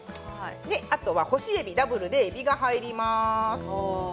あとは干しえびダブルでえびが入ります。